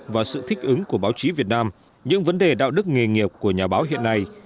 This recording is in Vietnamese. và sự thích ứng của báo chí việt nam những vấn đề đạo đức nghề nghiệp của nhà báo hiện nay